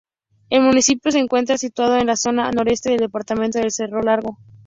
El municipio se encuentra situado en la zona noroeste del departamento de Cerro Largo.